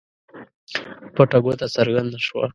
پټه ګوته څرګنده شوه.